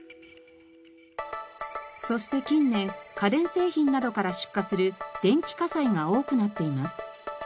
そして近年家電製品などから出火する電気火災が多くなっています。